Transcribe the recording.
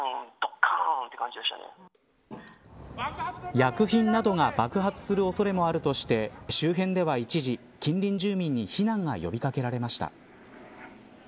薬品などが爆発するおそれもあるとして周辺では一時近隣住民に避難が呼び掛けられました。